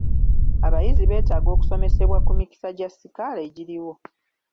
Abayizi beetaaga okusomesebwa ku mikisa gya sikaala egiriwo.